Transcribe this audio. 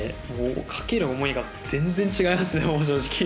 かける思いが全然違います、正直。